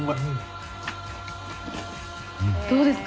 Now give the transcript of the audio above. どうですか？